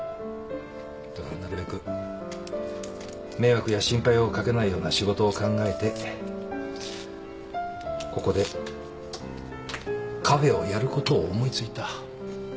だからなるべく迷惑や心配をかけないような仕事を考えてここでカフェをやることを思い付いた。